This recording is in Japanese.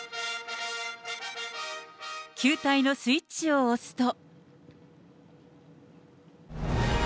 球体のスイッチを押すと。